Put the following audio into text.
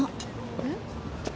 えっ？